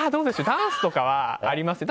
ダンスとかはありますよ。